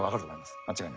間違いないです。